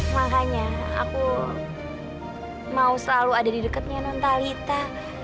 makanya aku mau selalu ada di dekatnya non talita